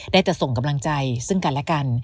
ได้จะส่งกำลังใจซึ่งกันและกัน